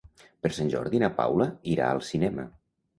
Per Sant Jordi na Paula irà al cinema.